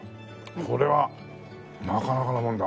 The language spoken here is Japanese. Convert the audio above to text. これはなかなかのもんだ。